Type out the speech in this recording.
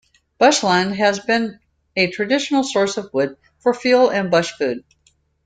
Bushland has been a traditional source of wood for fuel and bushfood.